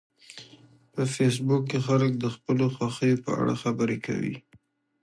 په فېسبوک کې خلک د خپلو خوښیو په اړه خبرې کوي